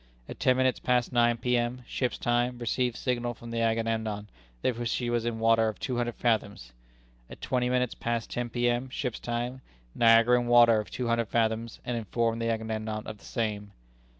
At ten minutes past nine P.M., ship's time, received signal from the Agamemnon that she was in water of two hundred fathoms. At twenty minutes past ten P.M., ship's time, Niagara in water of two hundred fathoms, and informed the Agamemnon of the same.